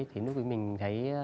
thì lúc đó mình thấy